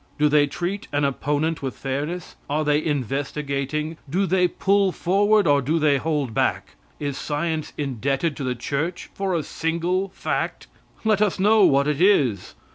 Do they treat an opponent with fairness? Are they investigating? Do they pull forward or do they hold back? Is science indebted to the Church for a single fact? Let us know what it is.